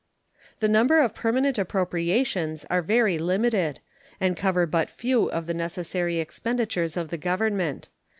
The number of permanent appropriations are very limited, and cover but few of the necessary expenditures of the Government.